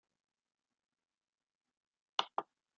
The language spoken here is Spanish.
Tiene líneas faciales blancas y pronunciadas.